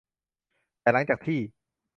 แต่หลังจากที่